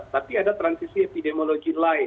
tapi ada transisi epidemiologi lain